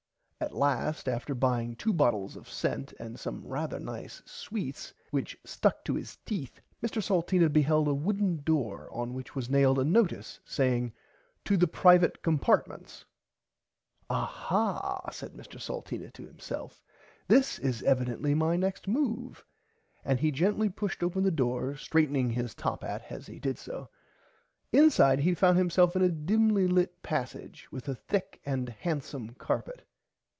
At last after buying two bottles of scent and some rarther nice sweets which stuck to his teeth Mr Salteena beheld a wooden door on which was nailed a notice saying To the Privite Compartments. Ah ha said Mr Salteena to himself this is [Pg 50] evidently my next move, and he gently pushed open the door straitening his top hat as he did so. Inside he found himself in a dimly lit passage with a thick and handsom carpet.